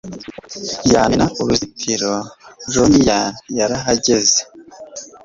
yamena uruzitiro. lonnie yarahagaze